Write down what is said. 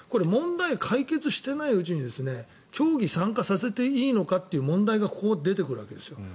問題解決してないうちに競技に参加させていいのかという問題がここで出てくるわけです。